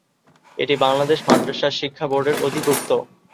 এটি বাংলাদেশ মাদ্রাসা শিক্ষা বোর্ডের অধিভুক্ত।